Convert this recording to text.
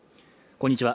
こんにちは